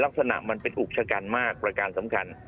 ลักษณะมันเป็นอุชกรรมมากประการสำคัญ